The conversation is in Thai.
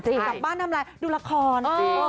จริงจากบ้านทำอะไรดูละคร